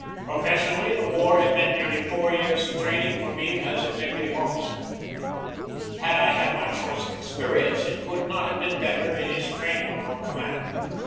Profession ally the war had meant nearly four years' training for me as an executive officer. Had I had my choice of experience, it could not have been better in its training for command.